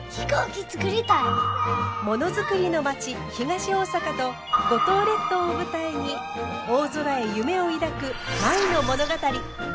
ものづくりの町東大阪と五島列島を舞台に大空へ夢を抱く舞の物語。